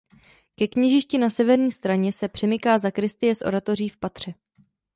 Ke kněžišti na severní straně se přimyká sakristie s oratoří v patře.